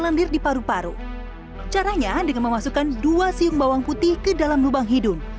lendir di paru paru caranya dengan memasukkan dua siung bawang putih ke dalam lubang hidung